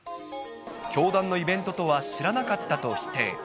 教団のイベントとは知らなかったと否定。